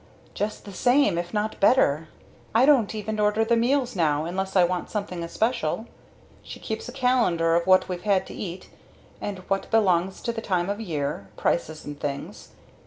"Just the same if not better. I don't even order the meals now, unless I want something especial. She keeps a calendar of what we've had to eat, and what belongs to the time of year, prices and things.